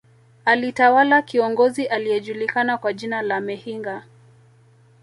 Alitawala kiongozi aliyejulikana kwa jina la Mehinga